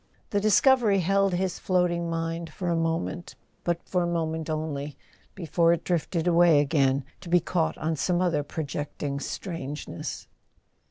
The discovery held his floating mind for a moment, but for a moment only, before it drifted away again, to be caught on some other projecting strange¬ ness.